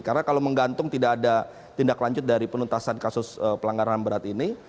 karena kalau menggantung tidak ada tindak lanjut dari penuntasan kasus pelanggaran berat ini